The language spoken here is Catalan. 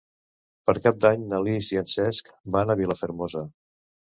Per Cap d'Any na Lis i en Cesc van a Vilafermosa.